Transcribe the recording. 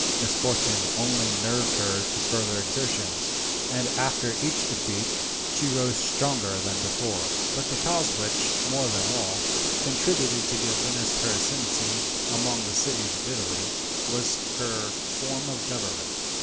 Misfortune only nerved her to further exertions, and after each defeat she rose stronger than before. But the cause which, more than all, contributed to give to Venice her ascendancy among the cities of Italy, was her form of government.